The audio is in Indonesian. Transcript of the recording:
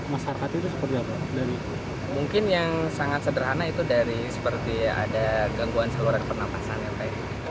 menyebutkan ada beberapa hal harus diselidiki lebih lanjut berkaitan dengan keluhan warga